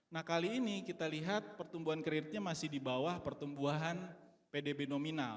nah kali ini kita lihat pertumbuhan kreditnya masih di bawah pertumbuhan pdb nominal